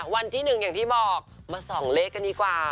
วันที่๑อย่างที่บอกมาส่องเลขกันดีกว่า